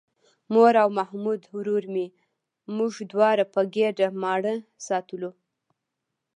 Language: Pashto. مور او محمود ورور مې موږ دواړه په ګېډه ماړه ساتلو.